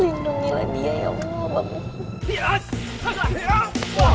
lindungilah dia ya allah